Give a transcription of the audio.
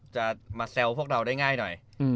จะมาแซวพวกเราได้ง่ายหน่อย